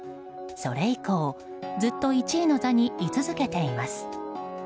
それ以降、ずっと１位の座にい続けています。